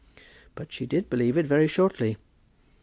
But she did believe it very shortly.